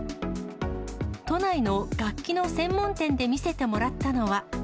都内の楽器の専門店で見せてもらったのは。